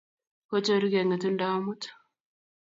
kochorugei ng'etung'do amut